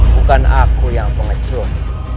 bukan aku yang pengecut